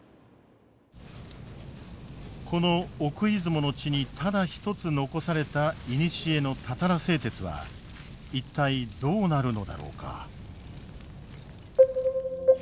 この奥出雲の地にただ一つ残された古のたたら製鉄は一体どうなるのだろうか。